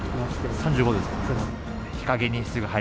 ３５度ですか？